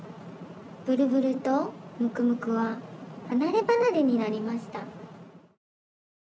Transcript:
ブルブルとムクムクははなればなれになりました」。